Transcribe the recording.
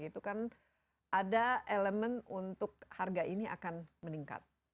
itu kan ada elemen untuk harga ini akan meningkat